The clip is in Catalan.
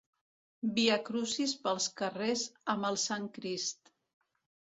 Viacrucis pels carrers amb el sant crist.